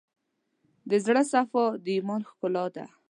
د زړه صفا، د ایمان ښکلا ده.